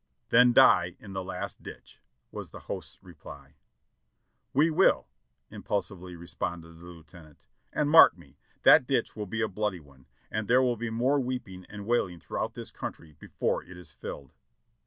"Then die in the last ditch !" was the host's reply. "We will !" impulsively responded the Lieutenant ; "and mark me, that ditch will be a bloody one, and there will be more weep ing and wailing throughout this country before it is filled."